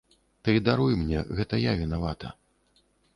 Ты даруй мне, гэта я вінавата.